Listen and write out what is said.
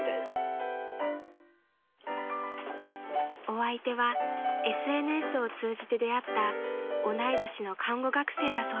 ［お相手はＳＮＳを通じて出会った同い年の看護学生だそうです］